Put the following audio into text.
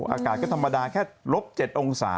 อากาศก็ธรรมดาแค่ลบ๗องศา